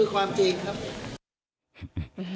ความจริงก็คือความจริงครับ